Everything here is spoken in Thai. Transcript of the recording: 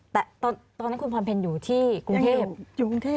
แต่ตอนนั้นคุณผวลเพ็ญอยู่ที่กรุงเทพฯ